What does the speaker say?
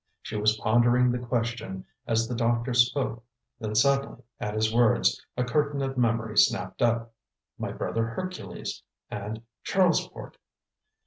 She was pondering the question as the doctor spoke; then suddenly, at his words, a curtain of memory snapped up. "My brother Hercules" and "Charlesport!"